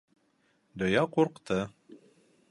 Дөйә ҡурҡты.